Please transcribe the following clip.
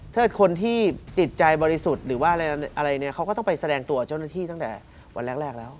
ถ้าคนที่ติดใจบริสุทธิ์หรือว่าอะไรเนี่ยเขาก็ต้องไปแสดงตัวเจ้าหน้าที่ตั้งแต่วันแรกแล้ว